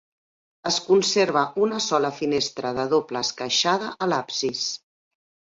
Es conserva una sola finestra de doble esqueixada a l'absis.